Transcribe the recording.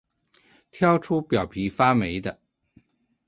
挑出表皮发霉的